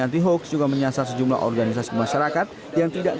anti hoax juga menyasar sejumlah organisasi masyarakat yang tidak